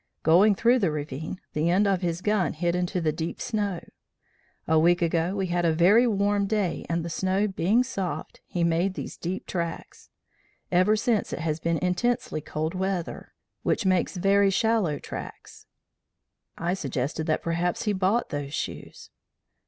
Going through the ravine, the end of his gun hit into the deep snow. A week ago we had a very warm day, and the snow being soft, he made these deep tracks; ever since it has been intensely cold weather, which makes very shallow tracks.' I suggested that perhaps he bought those shoes.